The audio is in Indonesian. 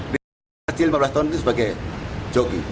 dia berusaha berusaha lima belas tahun itu sebagai jogi